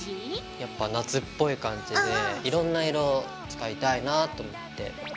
やっぱ夏っぽい感じでいろんな色使いたいなぁと思って。